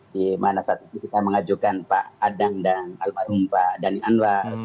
di mana saat itu kita mengajukan pak adang dan almarhum pak dhani anwar